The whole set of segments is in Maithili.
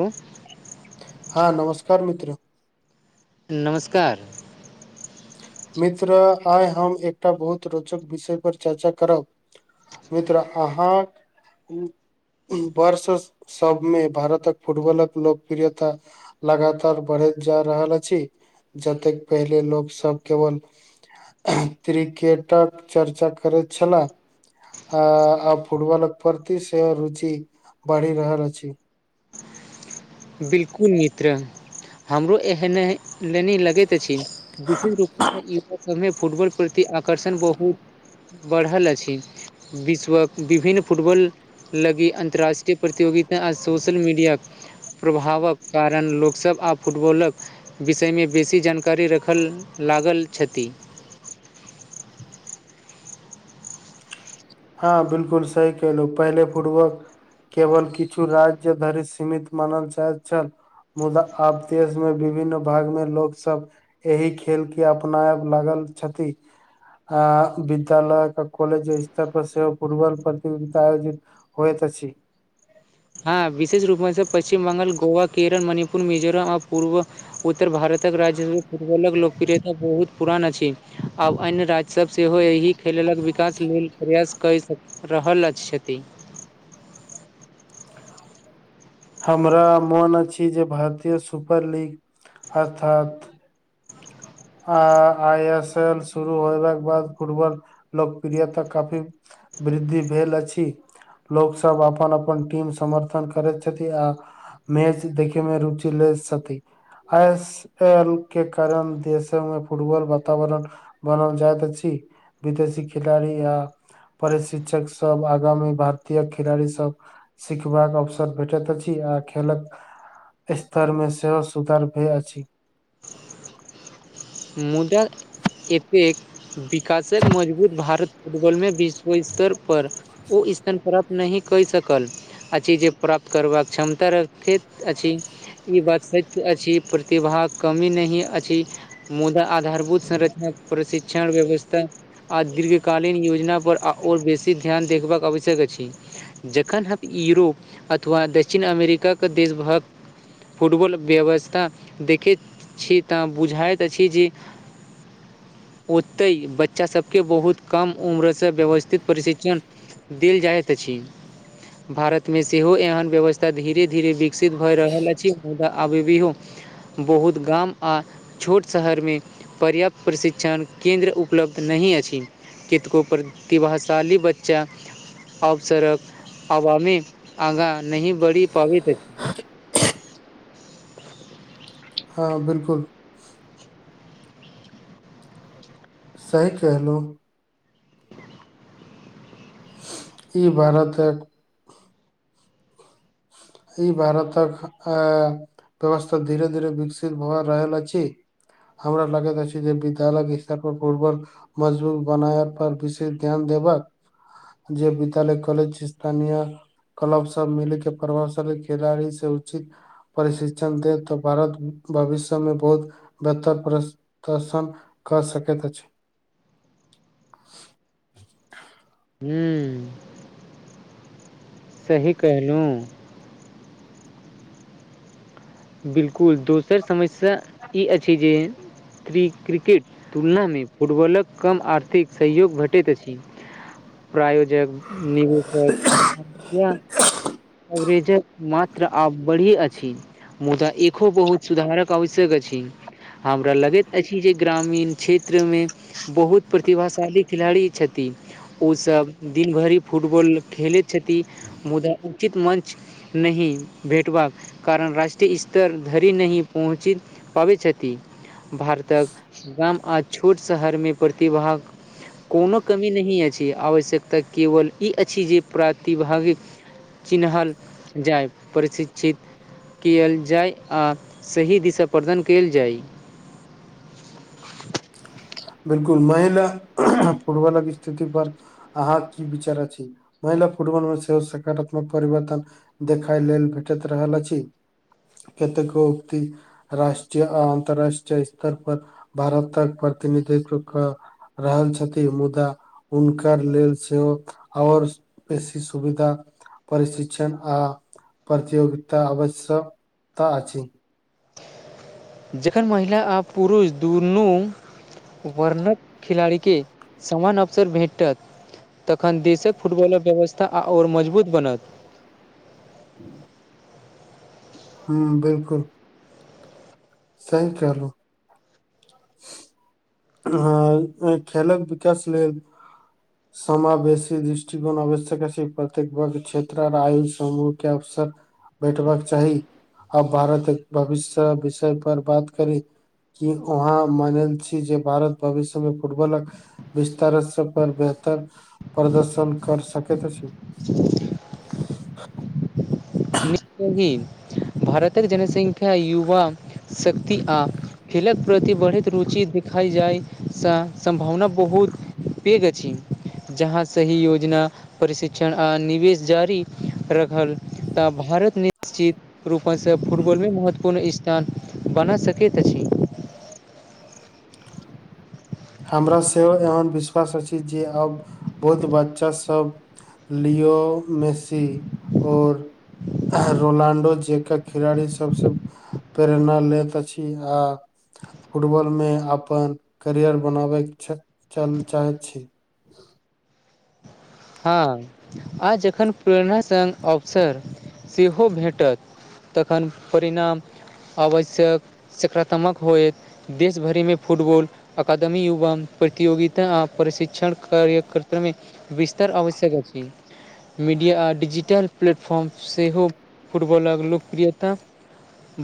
हूँ हँ नमस्कार मित्र नमस्कार मित्र आइ हम एकटा बहुत रोचक विषय पर चर्चा करब मित्र अहाँक वर्ष सबमे भारतक फुटबॉलक लोकप्रियता लगातार बढ़ैत जा रहल अछि जतेक पहिले लोक सब केवल क्रिकेटक चर्चा करैत छला आ आब फुटबलक प्रति सेहो रुचि बढ़ि रहाल अछि बिलकुल मित्र हमरो एहनहइ लेनै लगैत अछि विशेष रूपसँ इ युवक सभमे फुटबॉल प्रति आ आकर्षण बहुत बढ़ल अछि विश्वक विभिन्न फुटबॉल लगी अन्तर्राष्ट्रीय प्रतियोगिता आ सोशल मीडिया प्रभावक कारण लोकस आब फुटबॉलक विषयमें बेसी जानकारी रखल लागल छथि हँ बिलकुल सही केलहुँ पहिले फुटबॉल केवल किछु राज्य धरि सीमित मानल जाइत छल मुदा आब देश मे विभिन्न भाग में लोक सब एहि खेल के अपनायब लागल छथि आ विद्यालय आ कॉलेज सब पर सेहो फुटबॉल प्रतियोगिता आयोजित होइत अछि हँ विशेष रूपमे से पश्चिम बंगाल गोवा केरल मणिपुर मिजोरम आ पूर्व उत्तर भारतक राज्य फुटबलक लोकप्रियता बहुत पुरान अछि अब अन्य राज्यसभ सेहो एही खेलक विकास लेल प्रयास क स रहल छथि [inaudible] हमरा मोन अछि जे भारतीय सुपर लीग अर्थात आ आइ एस एल शुरू होबाक बाद फुटबल लोकप्रियता काफी वृद्धि भेल अछि लोक सब अपन अपन टीम समर्थन करैत छथि आ मैच देखै मे रुचि ले सकी आइ एस एल के कारण देश फुटबल वातावरण बनल जाइत अछि विदेशी खेलाड़ी या परीशिक्षक सब आगामी भारतीय खिलाड़ी सब सिखबाक अवसर भेटत अछि आ खेलक। एस्तरमे सेहो सुदा रुपैया अछि। मुदा एतेक विकासक मजबूत भारत फुटबॉल मे बीस ओ इस्तर पर ओ इस्थन प्राप्त नहि कई सकल अछि जे प्राप्त करबाक क्षमता रखैत अछि ई बात सत्य अछि प्रतिभा के कमी नहि अछि मुदा आधारभूत संरचना प्रशिक्षणा व्यवस्था आ दीर्घकालीन योजनापर आओर बेसी ध्यान देखबाक आवश्यक अछि जखन हम यूरोप अथवा दक्षिण अमेरिका के देशभक्त फुटबॉल व्यवस्था देखैत छी तऽ बुझाइत। अछी जे ओतैय बच्चा सबके बहुत। कम उम्रसँ व्यवस्थित प्रशिक्षण देल जाय। अछि भारतमे सेहो एहन व्यवस्था धीरे धीरे विकसित भऽ रहल अछि मु अबि भी हो बहुत गाम आ। शहरमे पर्याप्त प्रशिक्षण केन्द्र उपलब्ध नहि अछि। कैतको उपर दिभाशाली बच्चा। अवसरक आवामी आगाँ नहि बढ़ि पावैत हँ बिल्कुल सही केहलु ई भारतक ई भारतक अ व्यवस्था धीरे धीर विकसित भ रहल अछि हमरा लागैत अछि जे विद्यालय इस्तर पर फूटबॉल मजबूर बनाय पर विशेष ध्यान देबक जे विद्यालय कॉलेज स्थानीय क्लब सब मिले के प्रवास खेलाड़ी सब उचित प्रशिक्षण दे तऽ भारत भविष्यमे बहुत बेहतर परस तसन क सकैत अछि हूँ सही कहलु बिल्कुल दोसर समस्या ई अछि जे थ्रीरी क्रिकेट तुलनामे फुटबॉलक कम आर्थिक सहयोग भेटैत अछि प्रायोजक निवेशक इ अवरेजक मात्र आब बढ़ी अछि मुदा एखो बहुत सुधारक आवश्यक अछि हमरा लगैत अछि जे ग्रामीण क्षेत्र मे बहुत प्रतिभाशाली खिलाड़ी छथि उसब दिन भरि फुटबॉल खेलैत छथि मुदा मंच नहि भेटबाक कारण रैस [unintelligible] इस्तर धरि नहि पहुँचि पाबै छथि भारतक गाम आ छोट शहरमे प्रतिभाक कोनो कमी नहि अछि आवश्यकता केवल ई अछि जे प्रतिभावीक चिन्हल जाय प्रक्षितीत कियल जाय आ सही दिशा प्रदन कयल जाय बिल्कुल महिना फुटबलक स्थिति पर अहाँ के की विचार अछि महिला फुटबॉल मे सेहो सकारात्मक परिवर्तन देखाय लेल भेटैत रहल अछि कतेको उक्ति राष्ट्रीय आ अन्तर्राष्ट्रीय स्तर पर भारतक प्रतिनिधित्व कऽ रहल छथि मुदा हुनकर लेल सेहो आओर बेसी सुविधा परिशिक्षण आ प्रतियोगिता आवश्यकता अछि जखन महिला आ पुरुष दुनू वर्णक खिलाड़ीके समान अवसर भेटत तखन देशक फुटबॉलक व्यवस्था आओर मजबूत बनत हूँ हूँ बिल्कुल सहि कहलूं हाॅं खेलक विकास लेल [inaudible] समावेशी दृष्टिकोण आवश्यक अछि। प्रत्येक वर्ग क्षेत्र आर आयु समूहके अवसर बैठबाक चाही आ भारतक भविष्य विषय पर बात करी की वहाँ मानल छी जे भारत भविष्यमे फुटबॉलक विस्तार पर बेहतर प्रदर्शन कर सकैत अछि [unintelligible] भारतक जनसंख्या युवा शक्ति आ खेलक प्रति बढ़ैत रुचि देखाइ जायसँ सम्भावना बहुत पैघ अछि जहाँ सही योजना प्रशिक्षण आ निवेश जारी रहल तऽ भारत निश्चित रूपसँ फुटबॉलमे महत्वपूर्ण स्थान बना सकैत अछि [unintelligible] हमरा सेहो एहन विश्वास अछि जे आब बहुत बच्चा सब लियो मेसी आओर आर रोनाल्डो जेकां खिलाड़ी सबसऽ प्रेरणा लैत अछि आ फुटबॉलमे अप- -पन करियर बनाबे के च-चाहैत छी हाँ आ जखन प्रेरणा संग अवसर सेहो भेटत तखन परिणाम आवश्यक सकारात्मक होएत देश भरिमे फुटबॉल अकादमी युवा प्रतियोगिता आ प्रशिक्षण कार्यकर्तामे तर आवश्यक अछि मीडिया आ डिजिटल प्लेटफॉर्म सेहो फुटबॉलक लोकप्रियता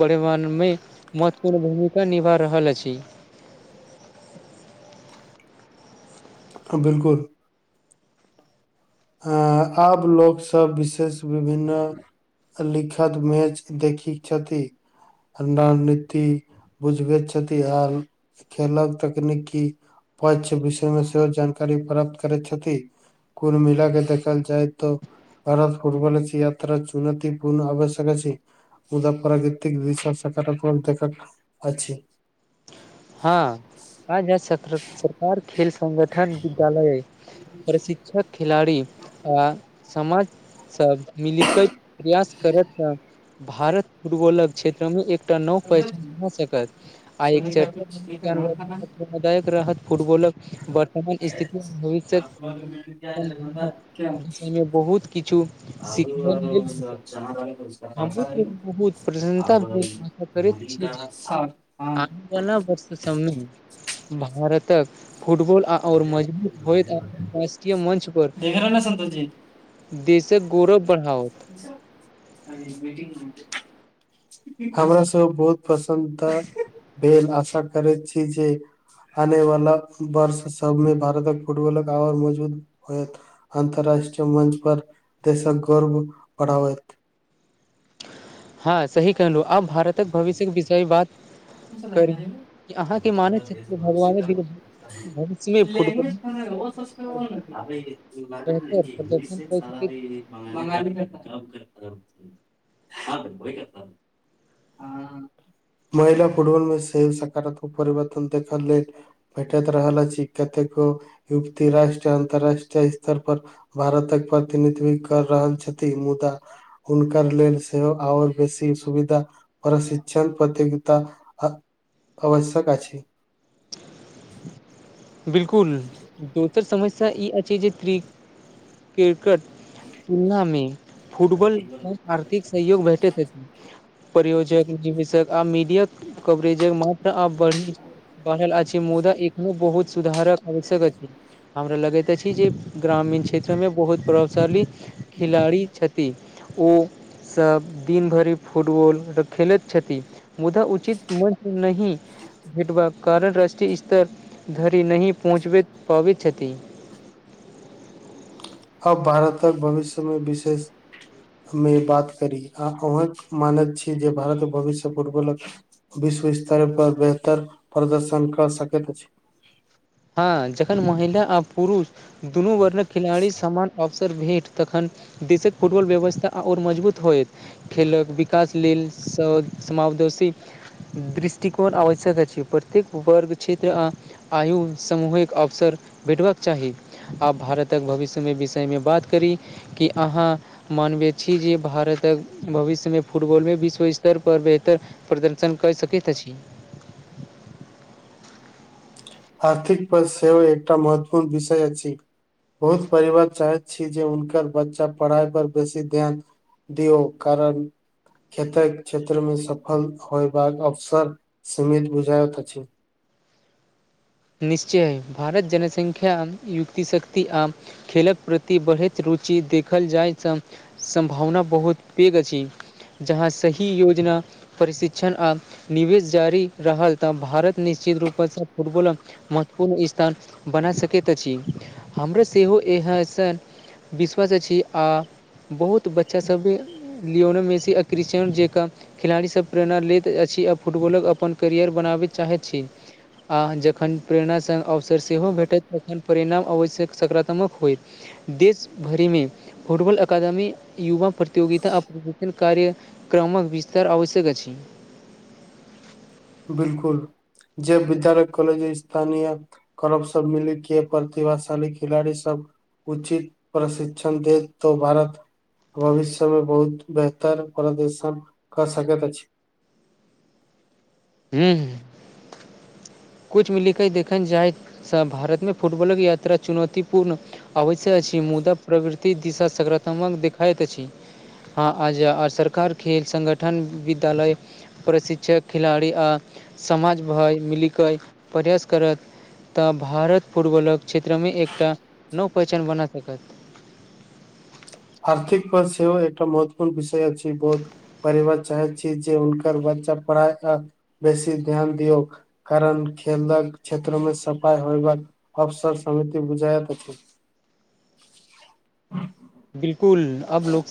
वढ़ेमानमे महत्वपूर्ण भूमिका निभा रहल अछि हाॅं बिल्कुल हाॅं आब लोकसभ विशेष विभिन्न लिख्यात मैच देखी छथि नाननीति बुझबैयत छथि आर खेलक तकनीकी पछ विषय मे सेहो जानकारी प्राप्त करैत छथि कुल मिला मिलाक देखल जाइ तऽ भारत फुटबाॅल अछि यात्रा चुनतीपूर्ण आवश्यक अछि मुदा प्राकृतिक दृश्य सकारात्मक देखल अछि। हाँ आज क्षेत्र सरकार खेल संगठन विद्यालय प्रसि- क्षक खेलाड़ी आ समाजसभ मिलिकै प्रयास करत तऽ भारत फुटबॉलक क्षेत्रमे एकटा नव पहिचान भए सकत आ एक च यनवायक रहत फुटबॉलक वर्तमान स्थिति आ भविष्यक विषयमे बहुत किछु सीखने लेल भेटत हमरो बहुत प्रसन्नता भेल करेत छी जे आरो नव वर्ष सबमे भारतक फुटबॉल आ आओर मजबूत होएत राष्ट्रीय मंच पर देशक गौरव बढ़ाओत। अभी मिटिंग मे हेतै हमरा सभ बहुत पसन्नता भेल आशा करैत छी जे आने वाला वर्ष सबमे भारतक फुटबॉलक आओर मजबूत होयत। अन्तर्राष्ट्रीय मंच पर देशक गौरव बढ़ावैत हँ सही कहलू आब भारतक भविष्यकेँ विषय बात करी कि अहाँके मानै छै भगवाने बिल [inaudible] भविष्यमे फुटबॉल [inaudible] बेहतर प्रदर्शन क सक [inaudible] [inaudible] [inaudible] महिला फुटबॉल मे सेहो सकारात्मक परिवर्तन देखल लेल भेटैत रहल अछि कतेको युवती राष्ट्रीय अंतर्राष्ट्रीय स्तर पर भारतक प्रतिनिधित्व कर रहल छथि मुदा हुनकर लेल सेहो आओर बेसी सुविधा प्रशिक्षण प्रतियोगिता आवश्यक अछि। बिल्कुल दोसर समस्या ई अछि जे क्रि क्रिकट तुलना मे फुटबॉल कम आर्थिक सहयोग भेटैत अछि। परियोजक निवेषक आ मीडिया कवरेजक मात्रा आब बढ़ि बढल अछि मुदा एखनो बहुत सुधारक आवश्यक अछि हमरा लगैत अछि जे ग्रामीण क्षेत्रमे बहुत प्रभावशाली खिलाड़ी छथि ओसभ दिनभरि फुटबॉल खेलैत छथि। मुदा उचित मंच नहि भेटबाक कारण राष्ट्रीय स्तर धरि नहि पहुँचबैत पाबैत छथि अब भारतक भविष्यमे विशेष मे बात करी आ अहाँक मानैत छी जे भारत भविष्य फुटबॉलक विश्व स्तर पर बेहतर प्रदर्शन कऽ सकैत अछि। हँ जखन महिला आ पुरुष दुनू वर्नक खिलाड़ी समान अबस सर भेँट तखन देशक फुटबॉल व्यवस्था आओर मजबूत होयत। खेलक विकास लेल स समावदोशी दृष्टिकोन आवश्यक अछि प्रत्येक वर्ग क्षेत्र आ आयु समूहिक अवसर भेटबाक चाही आब भारतक भविष्यमे विषयमे बात करी कि अहाँ मानबैत छी जे भारतक भविष्यमे फुटबॉलमे विश्व स्तर पर बेहतर प्रदर्शन कय सकेत अछि। आर्थिक पद सेहो एकटा महत्वपूर्ण विषय अछि। बहुत परिवार चाहैत छी जे हुनकर बच्चा पढ़ाइ पर बेसी ध्यान दियो कारण कतेक क्षेत्र में सफल होयबाक अवसर सीमित बुझायइत अछि निश्चय भारत जनसंख्या युक्तिशक्ति आ खेलक प्रति बढ़ैत रुचि देखल जाइत तऽ सम्भावना बहुत पेघ अछि जहाँ सही योजना प्रशिक्षण आ निवेश जारी रहल तऽ भारत निश्चित रूपसँ फुटबॉल महत्वपूर्ण स्थान बना सकैत अछि हमरा सेहो इहसँ विश्वास अछि आ बहुत बच्चासभे लियोनो मेसी अआ क्रिशटेनो जेँका खिलाड़ीसभ प्रेरणा लैत अछि आ फुटबॉलक अपन कैरियर बनाबैत चाहैत छी आ ज तखन प्रेरणास संग अवसर सेहो भेटत तखन परिणाम आवश्यक सकारात्मक होइ देश भरिमे फुटबॉल अकादमी युवा प्रतियोगिता आ प्रशिक्षण कार्य क्रमंक विस्तार आवश्यक अछि बिलकुल जे विद्यालय कॉलज स्थानीय करब सभ मिलीके प्रतिभाशाली खिलाड़ी सभ उचित प्रशिक्षण देत तऽ भारत भविष्य में बहुत बेहतर पदर्शन कऽ सकेत अछि हूँ कुछ मिल के देखल जाय भारत में फुटबॉलक यात्रा चुनौतीपूर्ण अवश्य अछि मुद्दा प्रवृति दिशा सकारात्मक देखाइत अछि ह आ जा आ सरकार खेल संगठन विद्यालय प्रशिक्षक खिलाड़ी आ समाज भय मिली कऽ प्रहास करत तऽ भारत फुटबॉलक क्षेत्र में एकटा नव पहिचान बना सकत आर्थिक पद सेहो एकटा महत्वपूर्ण विषय अछि बहुत परिवार चाहैत छी जे हुनकर बच्चा पढ़ाइ ओर बेसी ध्यान दियऔ कारण खेलक क्षेत्र में सफाई होयबाक अवसर समिति बुझायत अछि बिलकुल आब लोक